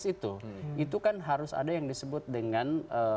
itu itu kan harus ada yang disebut dengan